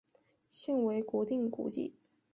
现为国定古迹。